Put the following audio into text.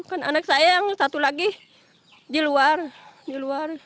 kan anak saya yang satu lagi di luar di luar